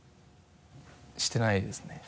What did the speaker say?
してないですね。